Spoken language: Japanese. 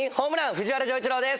藤原丈一郎です。